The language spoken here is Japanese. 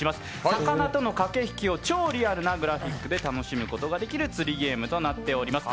魚との駆け引きを超リアルなグラフィックで楽しむことができる釣りゲームとなっています。